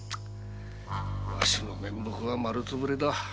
わしの面目は丸つぶれだ。